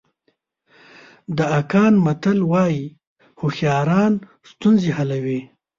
د اکان متل وایي هوښیاران ستونزې حلوي.